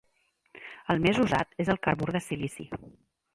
El més usat és el carbur de silici.